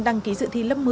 đăng ký dự thi lớp một mươi